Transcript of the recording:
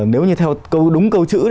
nếu như theo đúng câu chữ